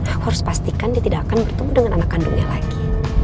aku harus pastikan dia tidak akan bertemu dengan anak kandungnya lagi